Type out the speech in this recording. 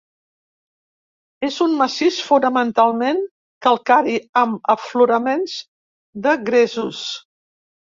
És un massís fonamentalment calcari, amb afloraments de gresos.